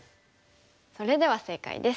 それでは正解です。